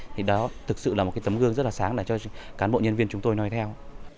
thì đó thực sự là một cái tấm gương rất là sáng để cho cán bộ nhân viên chúng tôi nói theo